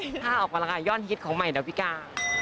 ถ้าออกมาแล้วกันค่ะย่อนคิดของใหม่ดาวิกา